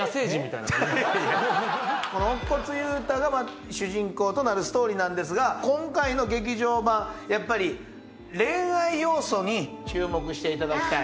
この乙骨憂太が主人公となるストーリーなんですが今回の劇場版やっぱり恋愛要素に注目していただきたい。